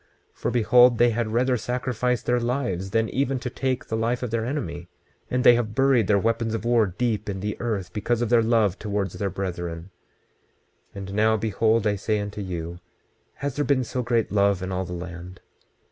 26:32 For behold, they had rather sacrifice their lives than even to take the life of their enemy; and they have buried their weapons of war deep in the earth, because of their love towards their brethren. 26:33 And now behold I say unto you, has there been so great love in all the land?